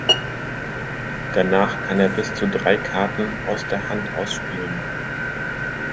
Danach kann er bis zu drei Karten aus der Hand ausspielen.